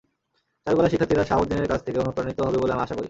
চারুকলার শিক্ষার্থীরা শাহাবুদ্দিনের কাছ থেকে অনুপ্রাণিত হবে বলে আমি আশা করি।